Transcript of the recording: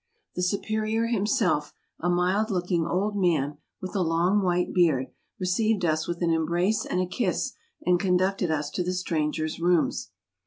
The superior himself— a mild looking old man with a long white beard—received us with an embrace and a kiss, and conducted us to the strangers' rooms.